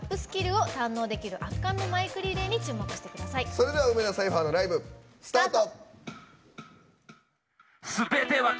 それでは梅田サイファーのライブ、スタート。